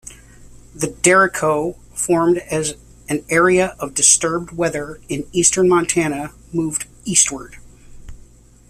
The derecho formed as an area of disturbed weather in eastern Montana moved eastward.